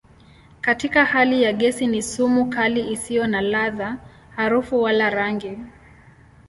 Katika hali ya gesi ni sumu kali isiyo na ladha, harufu wala rangi.